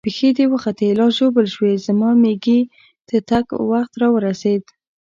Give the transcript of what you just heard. پښې دې وختي لا ژوبل شوې، زما مېږي د تګ وخت را ورسېد.